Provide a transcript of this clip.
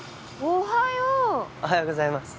おはようございます。